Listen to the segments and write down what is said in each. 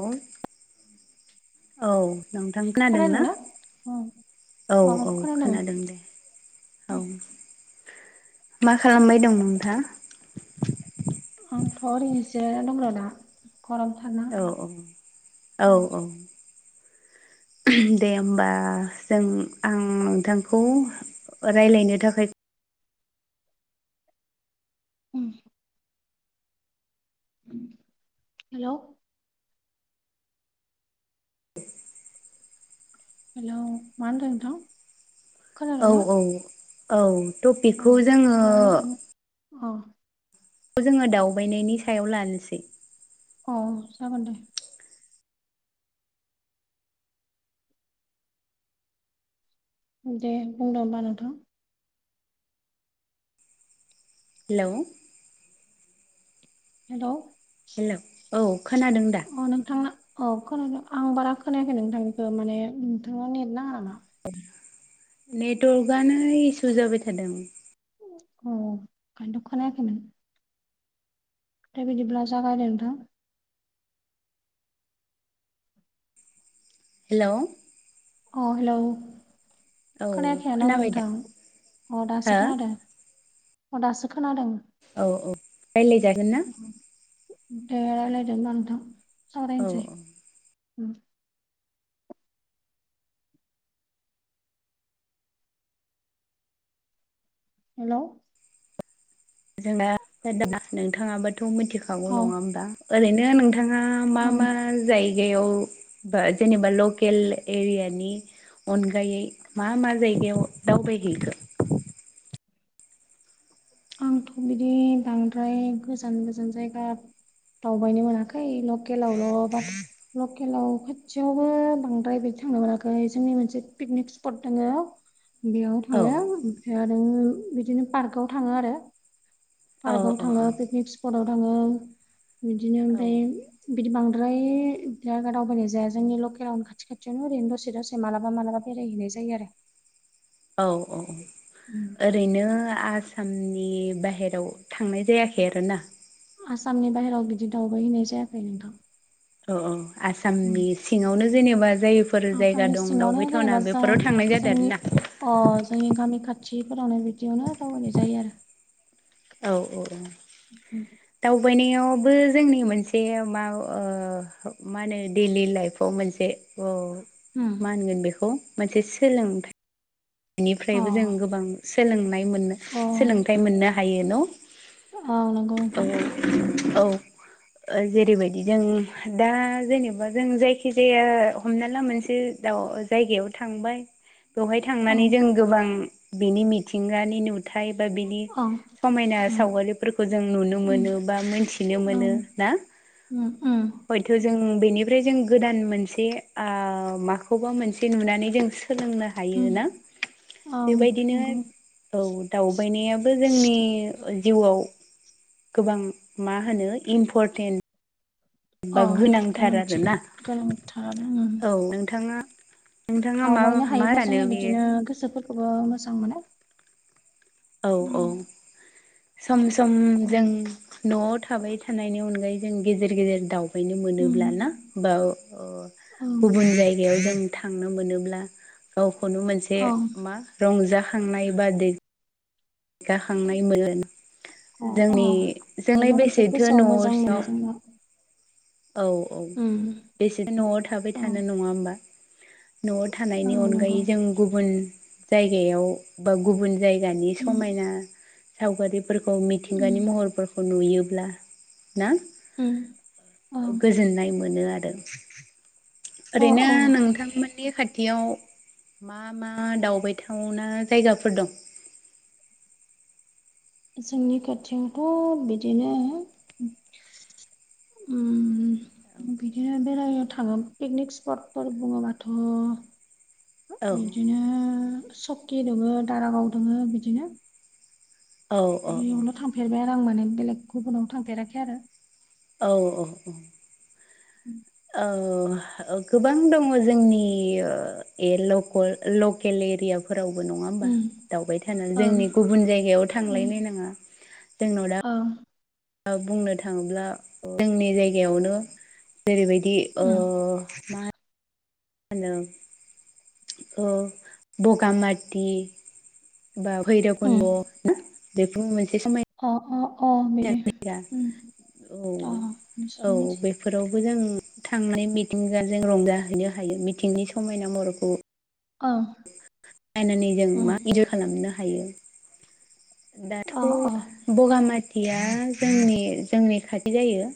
हेल औ नोंथां खोनादों ना खोनादोंना अ औ औ खोनादों दे औ उम, मा खालामबाय दं नोंथाङा आंथ' ओरैनो जिरायना दंङ दा गरम [unintelligible] औ औ औ औ दे होमबा जों आं नोंथांखौ रायज्लायनो थाखाय ओ हेल' हेल' मा होनदों नोंथां औ खोनादोंना औ औ अ टपिकखौ जोङो मा होनदोंमोन अ खौ जोङो दावबायनायनि सायाव लानोसै औ जागोन दे दे बुंदो होमबा नोंथां हेलौ हेल' हेल' औ खोनादों दा अ नोंथांना औ खोनादों आं बारा खोनायाखै नोंथांनिखौ माने नोंथांनाव नेट नाङा नामा नेटवर्कआनो इसु जाबाय थादों अ ओंखायनो खोनायाखै नों दा बिदिब्ला जागायदो नोंथां हेल' अ हेलौ औ खोनायाखै यानो आं खोनाबाय दा नोंथां अ दासो हो खोनादों अ दासो खोनादों औ औ रायज्लायजागोन ना दे रायज्लायदो होनबा नोंथां औ सावरायनोसै औ हेल' जोंना दा नोंथाङाबोथ' मिथिखागौ औ नङा होमबा ओरैनो नोंथाङा मा औ मा जायगायाव जेनेबा लकेल एरियानि अनगायै मा मा जायगायाव दावबायहैखो आंथ' बिदि बांद्राय गोजान गोजान जायगा दावबायनो मोनाखै लकेलावल' बाथ' लकेलाव खाथियावबो बांद्राय बिदि थांनो मोनाखै जोंनि मोनसे पिकनिक स्पट दङो। [inaudible] बेयाव औ थाङो ओमफ्राय आरो बिदिनो पार्कआव थाङो आरो। औ पार्कआव औ थाङो पिकनिक स्पटाव थाङो बिदिनो औ ओमफ्राय बिदि बांद्राय बि दावबायनाय जाया जोंनि लकेलाव। खाथि खाथियावनो ओरैनो दसे दसे माला मालाबा बेरायहैनाय जायो आरो। औ औ उम ओरैनो आसामनि बाहेराव थांनाय जायाखै आरोना। आसामनि बाहहेरायाव बिदि दावबाय हैैनाय जायाखै नोंथां। औ औ आसामनि सिङावनो जेनेबा जायफोर जायगा आसामनि दं सिङावनो दावबायथावना जेनेबा बे जा न'खराव थांनाय जादों आरो जोंनि ना। अ जोंनि गामि खाथिफोरावनो बिदियावनो दावबायनाय जायो आरो। औ औ औ दावबायनायावबो जोंनि मोनसे मा ओ मा होनो दैडलि लाइफआव मोनसे अ उम मा होनगोन बेखौ मोनसे सोलोंथाइ अ बेनिफ्रायबो जों गोबां सोलोंनाय मोननो अ सोलोंथाइ मोननो हायो न'? अ नोंथां औ जेरैबायदि जों दा जेनेबा जों जायखि जाया हमना ला मोनसे दा जायगायाव थांबाय बेवहाय दहाय औ थांनानै जों गोबां बिनि मिथिंगानि नुथाय बा बिनि औ समायना ओम सावगारिफोरखौ जों नुनो ओम मोनो बा मोनथिनो मोनो ना उम उम हयथ' जों बेनिफ्राय जों गोदान मोनसे ओ माखौबा मोनसे नुनानै जों सोलोंनो हायो। ओम योना औ बेबायदिनो नंगौ औ दावबायनायाबो जोंनि जिउआव गोबां मा होनो इम्परटेन्ट। बा औ गोनांथार गोनांथि आरोना गोनांथार आरो उम औ नोंथाङा नोंथाङा मा दावबायनो मा हायोबा सानो जोङो बेयो बिदिनो गोसोफोरखौबो मोजां मोनो। औ औ उम सम सम जों न'आव थाबाय थानायनि अनगायै जों गेजेर गेजेर दाउ नों मोनोब्ला ना उम बा ओ ओं गुबुन जायगा जायगायाव जों थांनो मोनोब्ला गावखौनो मोनसे अ मा रंजाखांनाय बा दै गायगाखांनाय मोनो अ जोंनि जोंनाय माबा मोनसे बेसेथो गोसोआव न' मोजां मोनो सिङाव जोंना औ औ उम बेसे न'आव थाबाय औ थानो नङा होमबा? न'आव थानायनि ओं नंगौ अनगायै जों गुबुन जायगायाव बा गुबुन जायगा गानि उम समायना सावगारिफोरखौ मिथिंगानि उम महरफोरखौ खौ नुयोब्ला ना उम ओं गोजोननाय मोनो आरो अ ओरैनो नोंथांमोन ननि खाथियाव मा मा दावबायथावना जायगाफोर दं? जोंनि खाथियावथ' बिदिनो अ बिदिनो बेरायनो थाङो पिकनिक स्पटफोर बुङोबाथ' औ बिदिनो सकि दङ दारागाव दङ बिदिनो औ बेयावल' थांफेरबाय आरो आं माने बेलेग गुबुनावनो थांफेराखै आरो। औ औ औ [unintelligible] औ गोबां दङ जोंनि लखल लकेल एरिया फोरावबो नङा होमबा उम दावबाय थानो ओं जोंनि गुबुन जायगायाव थांलायलायनाङा जोंनाव दा औ बुंनो थाङोब्ला जोंनि जायगायावनो जेरैबायदि उम मा मा होनो औ बगामाथि बा उम बैरुबखनद बेबो मोनसे समय अ अ बिदि उम औ अ औ नोंसोर बे मिथि बेफोरावबो जों थांनानै मिथिंगाजों रंजाहैनो हायो मिथिंनि समायना महरखौ औ नायनानै जों मा इनजय खालामनो हायो दाथ' अ अ बगामाथिया जोंनि जोंनि खाथि जायो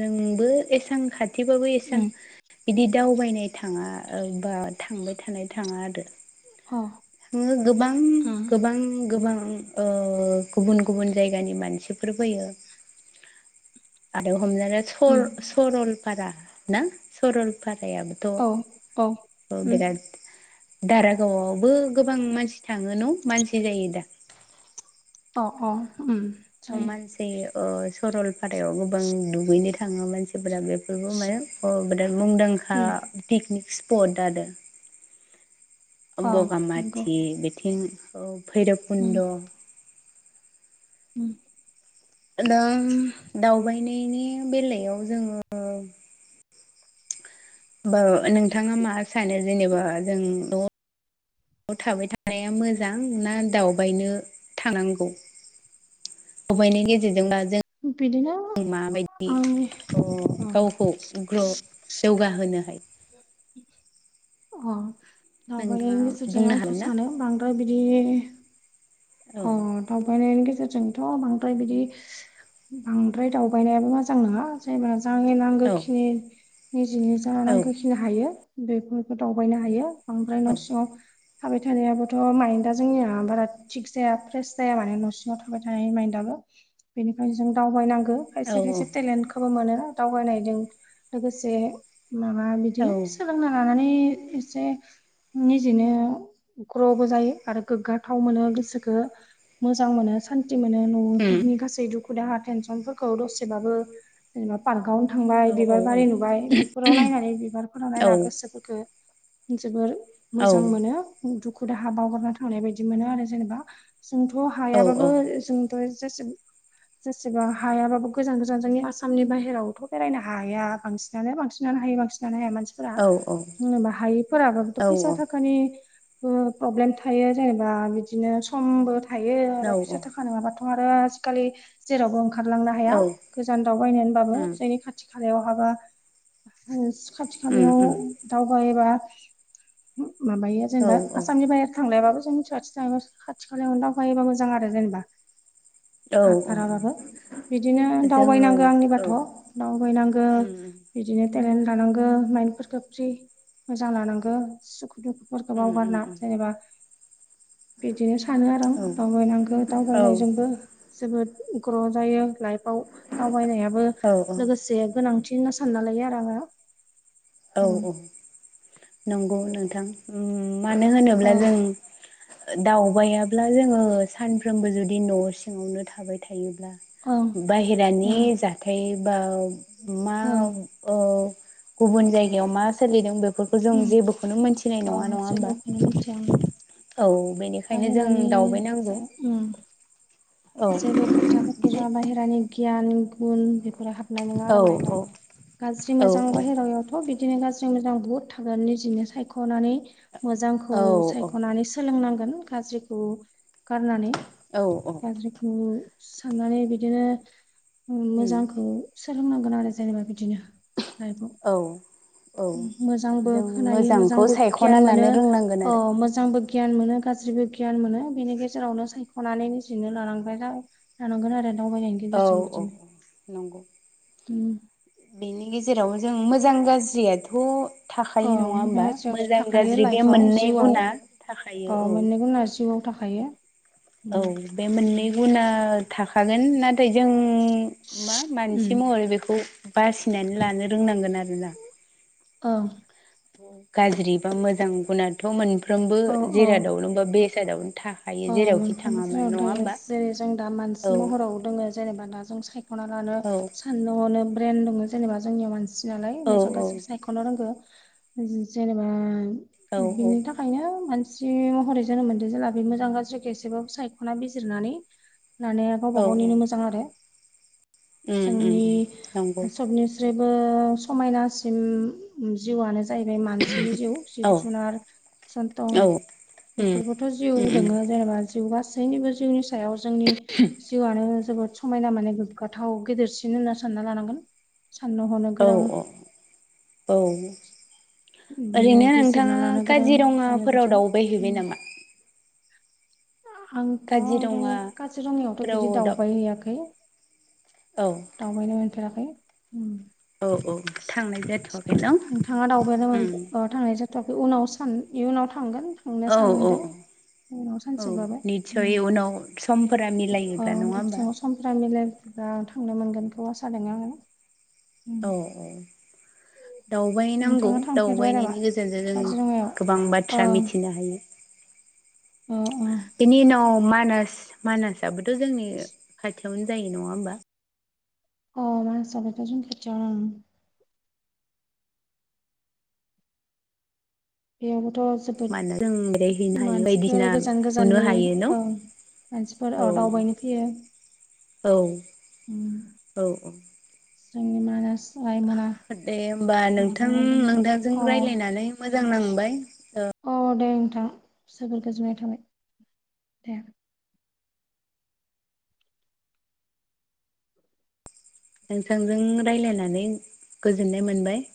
जोंबो एसां खाथि खाथिबाबो एसां उम बिदि दावबायनाय थाङा बा थांबाय थानाय थाङा आरो अ [unintelligible] गोबां उम गोबां गोबां गुबुन गुबुन जायगानि मानसिफोर फैयो आरो हमना ला उम सरलपारा ना सरलपारायाबो था औ औ उम बेरााद दारागावआवबो गोबां मानसि थाङो न' मानसि जायो दा अ अ उम अ जायो मानसि सरलपारायाव गोबां दुगैनो थाङो मानसिफोरा बे बेबो माने मुंदांखा उम पिकनिक स्पट आरो अ नंगौ बगामाथि बिथिं उम भैरबकुन्द उम दा दावबायनायनि बेलायाव जोङो बा नोंथाङा मा सानो जेनेबा जों नवाव थाबाय थानाया मोजां ना दावबायनो थानांगौ दावबायनायनि गेजेरजोंबा जों बिदिनो माबायदि आंनि अ गावखौ ग्र जौगाहोनो हायो अ नोंथाङा दावबायनायनि गेजेरजों बुंनो आंथ' हागोन ना सानो बांद्राय बिदि अ औ दावबायनायनि गेजेरजोंथ' बांद्राय बिदि बांद्राय दावबायनायाबो मोजां नङा जायब्ला जनि औ नांगोखिनि निजिनि जा औ नांगोखिनि हायो बेफोरखौ दावबायनो हायो बांद्रफ्राय न' सिङाव थाबाय थानायाबोथ' माइनदा जोंनिया बारा थिग जाया फ्रेस जाया माने न' सिङाव थाबाय थानाय माइन्दआबो बेनिखायनो जों दावबायनांगौ औ खायसे खायसे टेलेन्टखौबो मोनो दावबायनायजों लोगोसे माबा औ बिदिनो सोलोंना लानानै एसे निजेनो ग्र'बो जायो आरो गोग्गााथाव मोनो गोसोखौ मोजां मोनो सान्थि मोनो न'खरनि गासै दुखु दुखु दाहा टेनसनफोरखौ दसेबाबो जेनेबा पार्कावनो थांबाय बिबार बारि नुबाय बेफोराव नायनानै बिबारफोराव नायना गोसोफोरखो जोबोर मोजां मोनो दुखु दाहा बावगारना थांनाय बायदि मोनो आरो जेनेबा जोंथ' उम औ औ हायाबाबो जोंथ' जेसे जेसेबा हायाबाबो गोजान गोजान जोंनि आसामनि बाहेरायावथ' बेरायनो हाया बांसिन ना बांसिनानो हायो बांसिनानो हाया मान औ औ जेनेबा हायैफोराबाबोथ' फैसा थाखानि प्रब्लेम थायो जेनेबा बिदिनो समबो थायो आरो फैसा थाखा नङाबा आरो आजिखालि जेरावबो ओंखारलांनो हाया उम गोजान दावबायायनानैबाबो जायनि खाथि खाथि खालायाव हाबा खाथि उम खालायाव उम दावगायोबा माबायो औ जेनेबा आसामनि बाहेर थांलायाबाबो जों मिथिवथि थ खा आथिखलायाव अनदावखायोब मोजां आरो जेनेबा औ औ हाथथाराबाबो बिदिनो जोङो दावबायनांगौ औ आंनिबाथ' उम दावबायनांगौ उम बिदिनो टेलेन्ट लानांगौ माइन्न्दफोरखौ फ्रि मोजां लानांगौ सुखु दुखुफोरखौ उम उम बावगारना जेनेबा बिदिनो सानो आरो आं उम दावबायनांगौ औ औ दावबायनायजोंबो जोबोद ग्र' जायो लाइफआव दावबायनायाबो औ औ लोगोसे गोनांथि होनना सानना लायो आरो आङो औ ओं औ नंगौ नोंथां मानो होनोब्ला जों दावबायाब्ला जोङो सानफ्रोमबो जुदि न' सिङावनो थाबाय थायोब्ला औ बाहेरानि जाथाय बा मा ओं गुबुन जायगायाव मा सोलिदों बेफोरखौ जों जेबोखौनो मोनथिनाय नङा ओं अ होमबा जेबोखौनो मिथिया आं औ बेनिखायनो जों बाहेरानि जा दावउबायनांगौ जेबो खोथा बिदि बोाथ्रा बाहेरानि गियान गुन बेफोर हाब हनाय नङा औ आरो माइन्दाव औ गाज्रि औ मोजां बाहहेरायावयावथ' बिदि बिदिनो गाज्रि मोजां बुहुत थाखायो निजिनो सायखनानै मोजांखौ औ सायखनानै सोलोंनांगोन गाज्रिखौ गारनानै औ औ गारिखौ साननानै बिदिनो उम मोजांखौ सोलोंनांगोन आरो जेनेबा बिदिनो लाइफआव औ औ मोजांबो जों खोनायो मोजांखौ मोजांबो गियान सायख'ना मोनो लानो रोंनांगोन औ आरो मोजांबो गियान मोनो गाज्रिबो गियान मोनो बिनि गेजेरावनो सायख'नानै निजिनो लानांबाय थानांगोन आरो दावबायनायनि औ गेजेरजों औ बिदिनो नंगौ उम बेनि गेजेराव जों मोजां गाज्रियाथ' थाखायो औ नङा जों होमबा गासैयावथ' मोजां थाखायो गाज्रि बे लाइफआव मोननै जिउआव गुना थाखायो औ मोननै गुना जिउआव थाखायो औ बे मोननै गुना थाखागोन नाथाय जों मा मानसि महरै बेखौ बासिनानै लानो रोंनांगोन आरोोना औ गाज्रि बा मोजां गुनाथ' मोनफ्रोमबो औ जिरादावनो बा बेसादावनो था अ मोनफ्रोमबो ज जगायावनो थायो जेरै जों दा औ मानसि महराव जेनेबा जों सायखना लानो औ साननो हनो ब्रेन दङो जेनेबा जोंनियाव मानसि सि नालाय औ मोजां गासिबो सायख'नो रोंगौ जेनेबा औ बिनि थाखाय ओंखायनो मानसि महरै जोनोम मोनदों जेला बे मोजां गाज्रिखौ एसेबाबो सायख'ना बिजिरनानै माने औ गावबा उम गावनिनो मोजां आरो उम जोंनि उम नंगौ सबनि जेबो समायनासिम जिउआनो जाहैबाय मानसिनि जिउ जिब औ जुनार सनथ' औ उम बेफोरबोथ' जिउ उम दोङो जेनेबा जिउ गासैनिबो जिउनि सायाव जोंनि जिउआनो जोबोद समायना माने गोग्गाथाव गेदेरसिन होनना सानना लानांगोन साननो हनो औ गोरां औ बिदिनो ओरैनो बिजिरना नोंथाङा लानो गोरों जोङो काजिरङाफोराव बिदिनो दावउबाय हैबाय उम नामा आंथ' काजिरङाफोराव काजिरङायावथ' बिदि दाव दावबाय हैयाखै औ दावबायनो मोनफेराखै ओम औ औ थांनाय जाथ'याखै नोंथाङा दावबायनो मोन अ थांनाय जाथ'वाखै उनाव सा इयुनाव थांगोन थांनो औ औ सानदों उनाव औ सानसेबाबो ओम निस्सय उनाव समफोरा अ मिलायोब्ला नङा होमबा गाबाय [unintelligible] समफ्रा मिलायबा थांनो मोनगोनखौ आसा दं आङो दावबाय नांगौ नोंथाङा थांफेरबाय नामा दावबायनायनि गेजेरजों जोङो काजिरङायाव गोबां औ बाथ्रा मिथिनो हायो औ औ बिनि उनाव मानास मानासाबोथ' जोंनि खाथियावनो जायो नङा होमबा अ मानासाबोथ' जों खाथियावनो ओम बेयावबोथ' जोबोद मानो जों बेरायहैनो हायो मानसिफोर बायदिसिना गोजान नुनो गोजाननि हायो न' ओं मानसिफोर दावबायनो फैयो औ-औ-औ जोंनि मानास रायमना औ दे होमबा नोंथां नोंथांजों [unintelligible] अ रायज्लायनानै मोजां नांबाय औ दे नोंथां जोबोर गोजोननाय थाबाय दे नोंथांजों रायलायनानै गोजोननाय मोनबाय